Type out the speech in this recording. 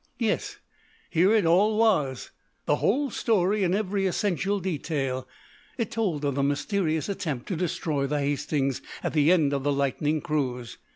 Yes; here it all was the whole story in every essential detail. It told of the mysterious attempt to destroy the "Hastings" at the end of the lightning cruise.